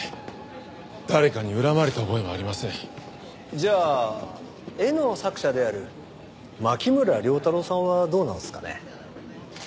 じゃあ絵の作者である牧村遼太郎さんはどうなんですかね？